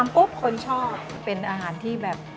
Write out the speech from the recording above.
เป็นอาหารที่แบบ